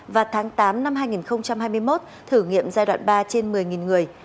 và tháng tám năm hai nghìn hai mươi một thử nghiệm giai đoạn ba trên một mươi người